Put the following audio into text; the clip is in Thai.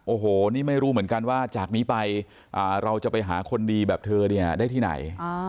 โอ้โหนี่ไม่รู้เหมือนกันว่าจากนี้ไปเราจะไปหาคนดีแบบเธอเนี่ยได้ที่ไหน